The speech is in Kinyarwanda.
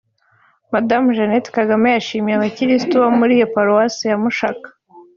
Madamu Jeannette Kagame yashimiye abakirisitu bo muri iyo Paruwasi ya Mushaka